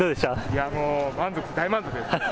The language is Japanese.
いやもう、満足、大満足です。